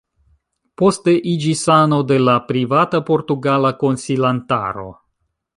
Poste iĝis ano de la Privata Portugala Konsilantaro.